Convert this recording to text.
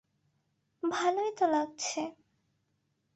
ভালোই তো লাগছে।